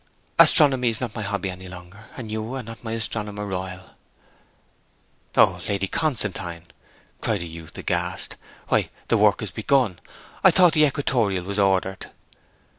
'Astronomy is not my hobby any longer. And you are not my Astronomer Royal.' 'O Lady Constantine!' cried the youth, aghast. 'Why, the work is begun! I thought the equatorial was ordered.'